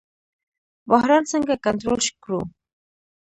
بحران څنګه کنټرول کړو؟